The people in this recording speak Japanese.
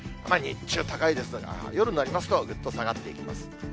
日中、高いですが、夜になりますと、ぐっと下がっていきます。